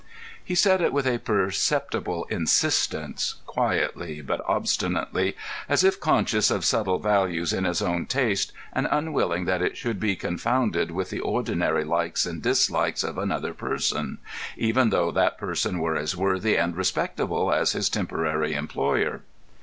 He said it with a perceptible insistence, quietly but obstinately; as if conscious of subtle values in his own taste, and unwilling that it should be confounded with the ordinary likes and dislikes of another person—even though that person were as worthy and respectable as his temporary employer.